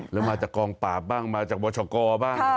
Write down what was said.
แล้วมาจากกองปราบบ้างมาจากบชกรบ้าง